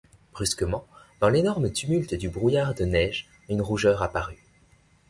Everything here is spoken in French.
Brusquement, dans l’énorme tumulte du brouillard de neige, une rougeur apparut.